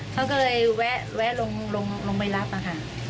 เขาก็เลยแวะลงไปรับค่ะ